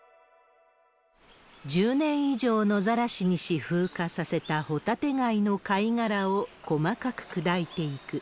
１０年以上野ざらしにし、風化させたホタテガイの貝殻を細かく砕いていく。